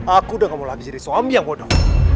aku udah gak mau lagi jadi suami yang bodoh